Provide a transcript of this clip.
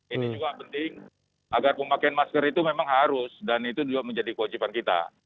ini juga penting agar pemakaian masker itu memang harus dan itu juga menjadi kewajiban kita